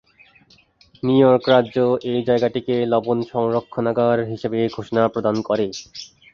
New York রাজ্য এ জায়গাটিকে লবণ সংরক্ষণাগার হিসাবে ঘোষণা প্রদান করে।